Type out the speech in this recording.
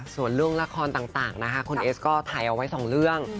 ส่วนเรื่องละครต่างนะคะคุณเอสก็ถ่ายเอาไว้สองเรื่อง